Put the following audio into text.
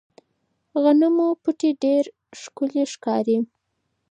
د غنمو پټي ډېر ښکلي ښکاري.